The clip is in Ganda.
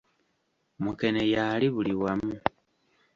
Mukene y’ali buli wamu.